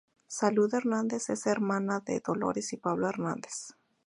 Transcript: Salud Hernández es hermana de Dolores y Pablo Hernández.